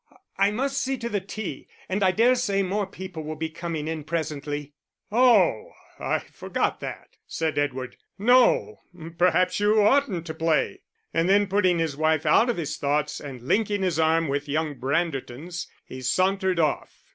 I must see to the tea; and I dare say more people will be coming in presently." "Oh, I forgot that," said Edward. "No; perhaps you oughtn't to play." And then putting his wife out of his thoughts, and linking his arm with young Branderton's, he sauntered off.